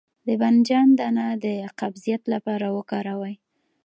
د بانجان دانه د قبضیت لپاره وکاروئ